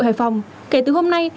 từ hải phòng kể từ hôm nay